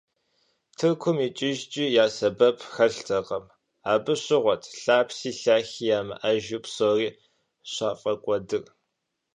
Тыркум икӀыжкӀи я сэбэп хэлътэкъым, абы щыгъуэт лъапси лъахи ямыӀэжу псори щафӀэкӀуэдыр.